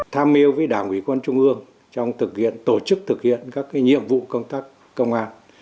tham mưu với đảng ủy quân trung ương trong thực hiện tổ chức thực hiện các nhiệm vụ công tác công an